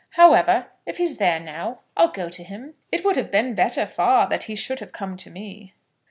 However, if he's there now I'll go to him. It would have been better far that he should have come to me."